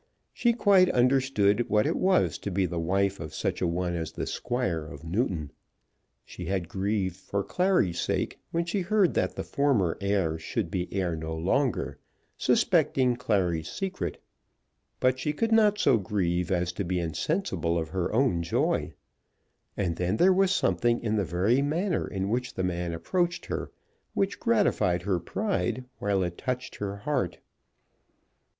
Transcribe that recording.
She quite understood what it was to be the wife of such a one as the Squire of Newton. She had grieved for Clary's sake when she heard that the former heir should be heir no longer, suspecting Clary's secret. But she could not so grieve as to be insensible of her own joy. And then there was something in the very manner in which the man approached her, which gratified her pride while it touched her heart.